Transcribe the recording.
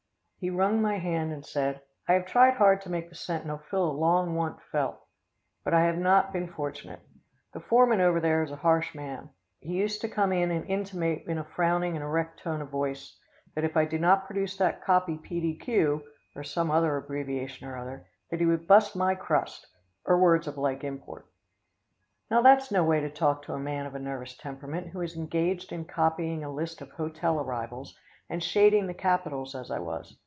He wrung my hand and said: "I have tried hard to make the Sentinel fill a long want felt, but I have not been fortunate. The foreman over there is a harsh man. He used to come in and intimate in a frowning and erect tone of voice, that if I did not produce that copy p.d.q., or some other abbreviation or other, that he would bust my crust, or words of like import. "Now that's no way to talk to a man of a nervous temperament who is engaged in copying a list of hotel arrivals, and shading the capitals as I was.